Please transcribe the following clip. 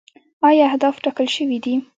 آیا اهداف ټاکل شوي دي؟